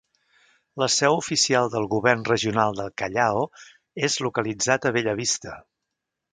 La seu oficial del Govern Regional del Callao és localitzat a Bellavista.